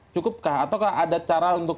cukupkah ataukah ada cara untuk